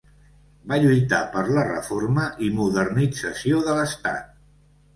Va lluitar per la reforma i modernització de l'Estat.